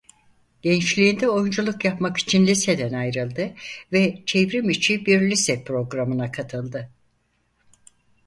Gençliğinde oyunculuk yapmak için liseden ayrıldı ve çevrimiçi bir lise programına katıldı.